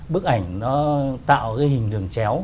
bức ảnh nó tạo cái hình đường chéo